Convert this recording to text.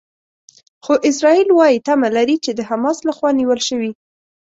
خو اسرائیل وايي تمه لري چې د حماس لخوا نیول شوي.